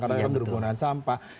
karena mereka berpengurahan sampah